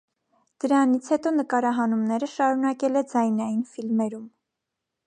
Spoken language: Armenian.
Դրանից հետո նկարահանումները շարունակել է ձայնային ֆիլմերում։